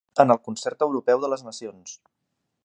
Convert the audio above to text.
En el concert europeu de les nacions.